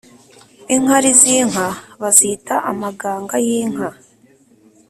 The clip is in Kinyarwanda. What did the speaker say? Inkari z’inka bazita amaganga y’inka